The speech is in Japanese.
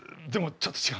ちょっと違う？